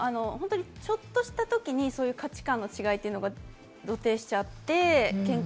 ちょっとしたときに価値観の違いというのが露呈しちゃって。